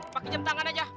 pakai jam tangan aja